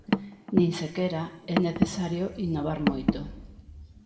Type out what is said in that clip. Nin sequera é necesario innovar moito.